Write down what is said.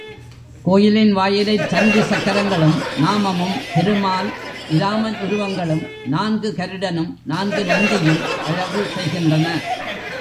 கோயிலின் வாயிலைச் சங்கு சக்கரங்களும், நாமமும், திருமால், இராமன் உருவங்களும், நான்கு கருடனும், நான்கு நந்தியும் அழகு செய்கின்றன.